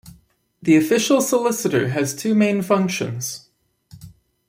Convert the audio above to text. The Official Solicitor has two main functions.